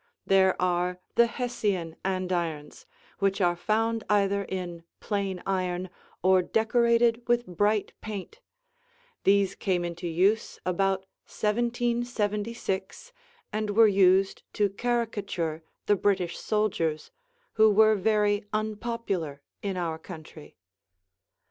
There are the Hessian andirons which are found either in plain iron or decorated with bright paint; these came into use about 1776 and were used to caricature the British soldiers who were very unpopular in our country.